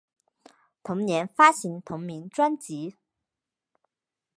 同年发行同名专辑。